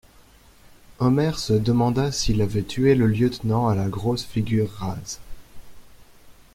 Omer se demanda s'il avait tué le lieutenant à la grosse figure rase.